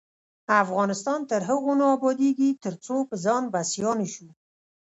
افغانستان تر هغو نه ابادیږي، ترڅو پر ځان بسیا نشو.